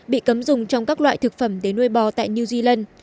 bị cấm dùng trong các loại thực phẩm để nuôi bò tại new zealand